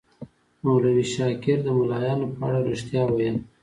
مولوي شاکر د ملایانو په اړه ریښتیا ویل.